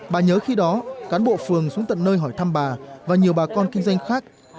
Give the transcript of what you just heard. bà nhớ khi đó cán bộ phường xuống tận nơi hỏi thăm bà và nhiều bà con kinh doanh khác